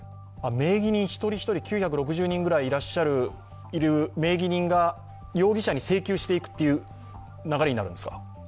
名義人一人一人、９６０人ぐらいいる人たちが容疑者に請求していくという流れになるんですか？